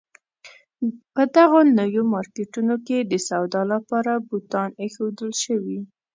په دغو نویو مارکېټونو کې د سودا لپاره بوتان اېښودل شوي.